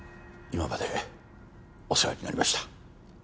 今までお世話になりました